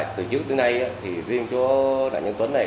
từ trước đến nay riêng chỗ đạn nhân tuấn này